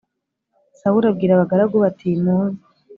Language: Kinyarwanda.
Sawuli abwira abagaragu be ati muze